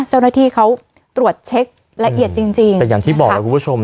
เจ้าหน้าที่เขาตรวจเช็คละเอียดจริงจริงแต่อย่างที่บอกแล้วคุณผู้ชม